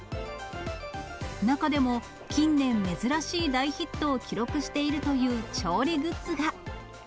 中でも、近年、珍しい大ヒットを記録しているという調理グッズが。